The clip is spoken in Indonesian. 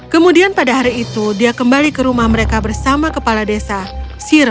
kemudian hari itu mereka kembali ke rumah mereka bersama kepala desa shiro